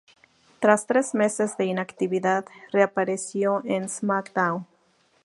Tras tres meses de inactividad, reapareció en "SmackDown!